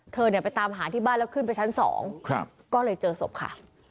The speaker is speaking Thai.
เธอเนี่ยไปตามหาที่บ้านแล้วขึ้นไปชั้น๒ครับก็เลยเจอศพค่ะ